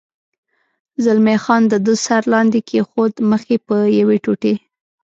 زلمی خان د ده سر لاندې کېښود، مخ یې په یوې ټوټې.